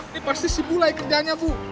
ini pasti si bu lah ya kejahatannya bu